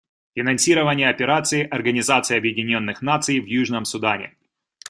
Финансирование Операции Организации Объединенных Наций в Южном Судане.